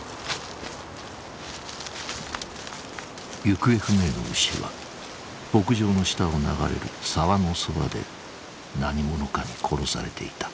行方不明の牛は牧場の下を流れる沢のそばで何者かに殺されていた。